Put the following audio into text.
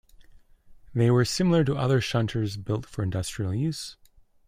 They were similar to other shunters built for industrial use.